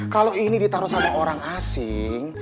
kalau ini ditaruh sama orang asing